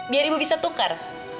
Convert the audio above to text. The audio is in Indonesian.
biar ibu bisa tukar